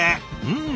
うん！